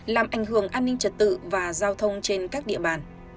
làm ảnh hưởng an ninh trật tự và giao thông trên các địa bàn